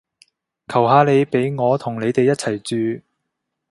求下你畀我同你哋一齊住